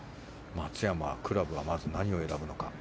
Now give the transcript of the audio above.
松山はクラブは何を選ぶのか。